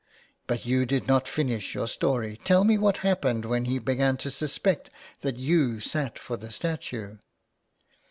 But you did not finish your story. Tell me what happened when he began to suspect that you sat for the statue."